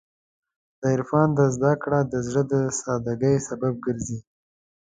د عرفان زدهکړه د زړه د سادګۍ سبب ګرځي.